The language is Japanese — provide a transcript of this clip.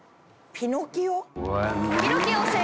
『ピノキオ』？